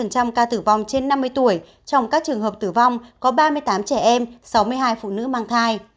tám mươi sáu năm ca tử vong trên năm mươi tuổi trong các trường hợp tử vong có ba mươi tám trẻ em sáu mươi hai phụ nữ mang thai